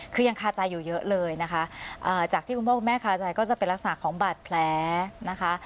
คือยังคาใจอยู่เยอะเลยนะคะจากที่คุณพ่อคุณแม่คาใจก็จะเป็นลักษณะของบาดแผลนะคะ